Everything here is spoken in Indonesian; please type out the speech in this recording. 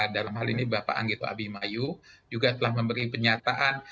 dalam hal ini bapak anggito abimayu juga telah memberi penyataan